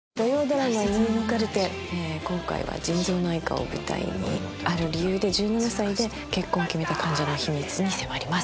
今回は腎臓内科を舞台にある理由で１７歳で結婚を決めた患者の秘密に迫ります。